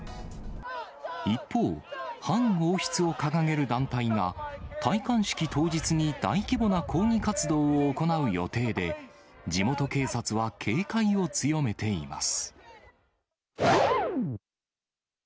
一方、反王室を掲げる団体が、戴冠式当日に大規模な抗議活動を行う予定で、地元警察は警戒を強めています。